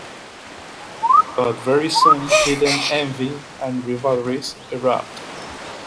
But very soon hidden envy and rivalries erupt.